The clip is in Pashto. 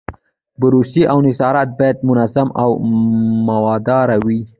بررسي او نظارت باید منظم او دوامداره وي.